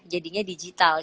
jadinya digital ya